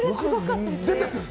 出てってるぞ！